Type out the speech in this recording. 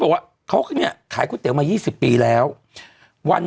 เมื่อกับเกาหลีขนาดนี้เชื่อกูนะคุณเยอะแบบนี้